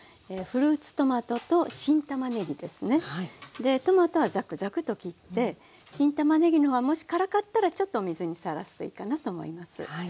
でトマトはザクザクと切って新たまねぎのほうはもし辛かったらちょっとお水にさらすといいかなと思います。